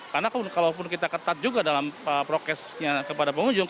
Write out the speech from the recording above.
karena kalaupun kita ketat juga dalam prokesnya kepada pengunjung